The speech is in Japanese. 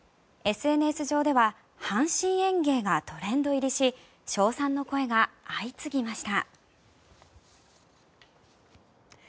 ＳＮＳ上では阪神園芸がトレンド入りし称賛の声が相次ぎました。